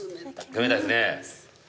冷たいっすね。